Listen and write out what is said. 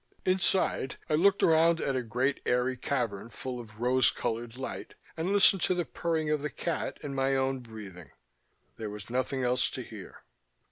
Inside, I looked around at a great airy cavern full of rose colored light and listened to the purring of the cat and my own breathing. There was nothing else to hear.